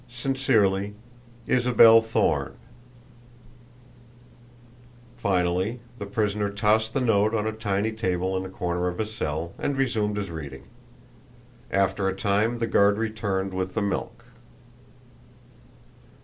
"Sincerely, "ISABEL THORNE." Finally the prisoner tossed the note on a tiny table in a corner of his cell, and resumed his reading. After a time the guard returned with the milk.